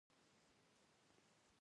ستا د رباب تارونه مې زاړه زخمونه چېړي